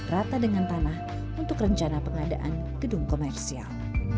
rata dengan tanah untuk rencana pengadaan gedung komersial